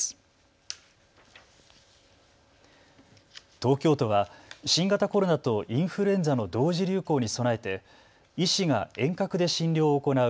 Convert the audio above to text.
東京都は新型コロナとインフルエンザの同時流行に備えて医師が遠隔で診療を行う